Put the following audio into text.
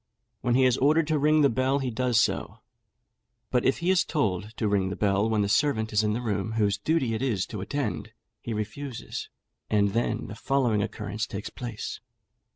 When he is ordered to ring the bell, he does so; but if he is told to ring the bell when the servant is in the room whose duty it is to attend, he refuses, and then the following occurrence takes place.